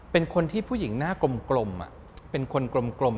เป็นคนที่ผู้หญิงหน้ากลมเป็นคนกลม